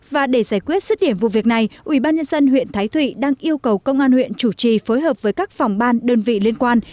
và để giải quyết sức điểm vụ việc này ubnd huyện thái thụy đang yêu cầu công an huyện chủ trì phối hợp với các phòng ban đơn vị liên quan